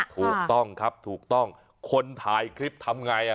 ถูกต้องครับถูกต้องคนถ่ายคลิปทำไง